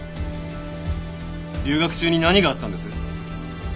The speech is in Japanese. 留学中に何があったんです？